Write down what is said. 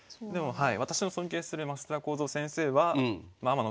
はい。